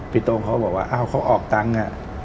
พี่โต้มเขาบอกว่าเขาออกตังค์น่ะ